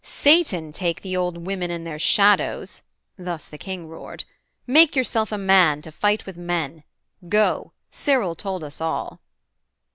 'Satan take The old women and their shadows! (thus the King Roared) make yourself a man to fight with men. Go: Cyril told us all.'